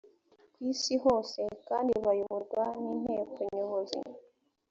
ku isi hose kandi bayoborwa n’inteko nyobozi